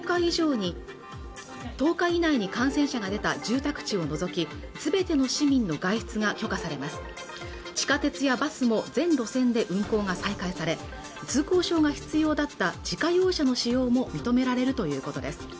１０日以内に感染者が出た住宅地を除きすべての市民の外出が許可されます地下鉄やバスも全路線で運行が再開され通行証が必要だった自家用車の使用も認められるということです